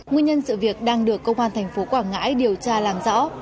nguyên nhân sự việc đang được công an thành phố quảng ngãi điều tra làm rõ